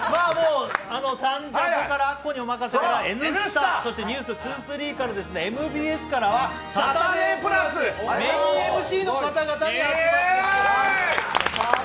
「サンジャポ」から「アッコにおまかせ！」から「Ｎスタ」そして「ｎｅｗｓ２３」からは「サタデープラス」、メインＭＣの方々に集まっていただきました。